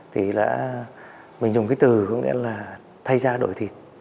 thì đã mình dùng cái từ có nghĩa là thay da đổi thịt